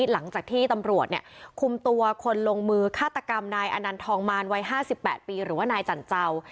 หลังจากที่ตำรวจเนี่ยคุมตัวคนลงมือฆาตกรรมนายอนันทองมารวัย๕๘ปีหรือว่านายจันเจ้า